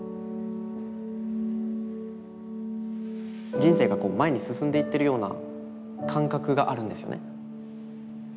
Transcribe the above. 人生が前に進んでいってるような感覚があるんですよね。